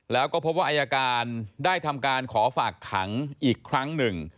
แล้วก็พบว่าอายการได้ทำการขอฝากขังอีกครั้งหนึ่ง